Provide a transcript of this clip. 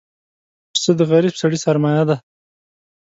پسه د غریب سړي سرمایه ده.